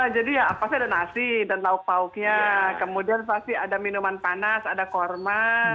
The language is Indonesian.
ya pasti ada nasi dan lauk pauknya kemudian pasti ada minuman panas ada kurma